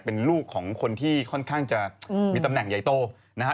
เป็นลูกของคนที่ค่อนข้างจะมีตำแหน่งใหญ่โตนะฮะ